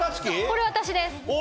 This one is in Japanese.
これ私です。